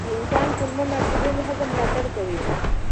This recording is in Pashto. د انسان کولمو مایکروبیوم د هضم ملاتړ کوي.